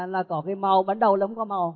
là có cái màu bắn đầu là không có màu